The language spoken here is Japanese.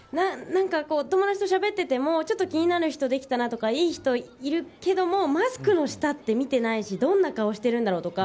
友達としゃべっててもちょっと気になる人できたなとかいい人いるけれどもマスクの下って見てないしどんな顔してるんだろうとか。